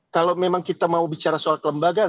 kalau memang kita mau bicara soal kelembagaan